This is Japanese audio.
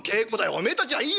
おめえたちはいいよ？